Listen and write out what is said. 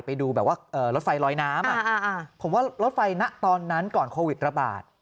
ไปดูแบบว่ารถไฟลอยน้ำผมว่ารถไฟตอนนั้นก่อนโควิดระบาด